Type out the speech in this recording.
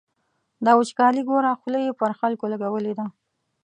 دا وچکالي ګوره، خوله یې پر خلکو لګولې ده.